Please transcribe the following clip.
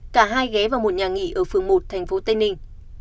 cả hai ghé vào một nhà nghỉ ở phường một thành phố tây ninh